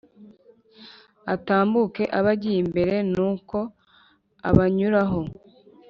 Atambuke abe agiye imbere nuko abanyuraho